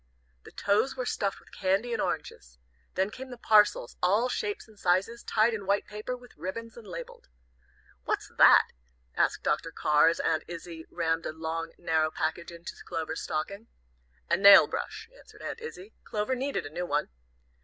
The toes were stuffed with candy and oranges. Then came the parcels, all shapes and sizes, tied in white paper, with ribbons, and labelled. "What's that?" asked Dr. Carr, as Aunt Izzie rammed a long, narrow package into Clover's stocking. "A nail brush," answered Aunt Izzie. "Clover needed a new one."